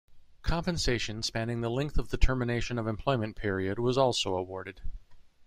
Compensation spanning the length of the termination of employment period was also awarded.